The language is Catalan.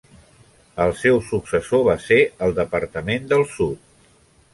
El seu successor va ser el Departament del Sud.